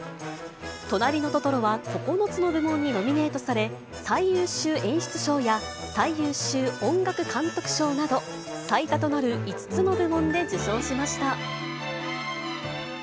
となりのトトロは、９つの部門にノミネートされ、最優秀演出賞や最優秀音楽監督賞など、最多となる５つの部門で受賞しました。